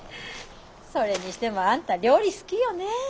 それにしてもあんた料理好きよね。